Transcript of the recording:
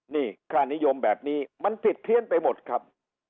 นี่ค่านิยมแบบนี้มันผิดเพี้ยนไปหมดครับ